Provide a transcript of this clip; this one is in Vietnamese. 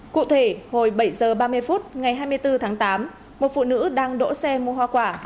cụ thể hồi bảy h ba mươi phút ngày hai mươi bốn tháng tám một phụ nữ đang đỗ xe mua hoa quả